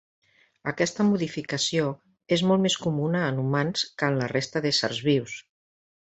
Aquesta modificació és molt més comuna en humans que en la resta d'éssers vius.